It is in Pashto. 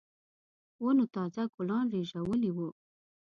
ونو تازه ګلان رېژولي وو.